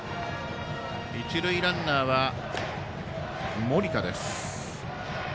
一塁ランナーは、森田です。